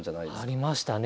ありましたね。